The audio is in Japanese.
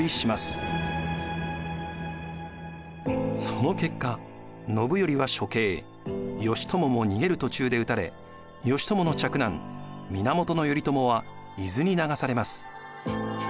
その結果信頼は処刑義朝も逃げる途中で討たれ義朝の嫡男源頼朝は伊豆に流されます。